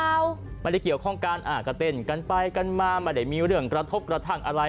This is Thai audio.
ไม่ได้เกี่ยวข้องกันอ่าก็เต้นกันไปกันมาไม่ได้มีเรื่องกระทบกระทั่งอะไร